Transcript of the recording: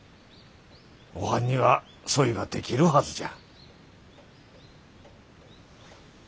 おはんにはそいができるはずじゃ。